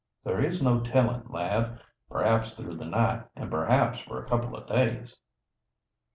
"There is no tellin', lad. Perhaps through the night, an' perhaps for a couple o' days."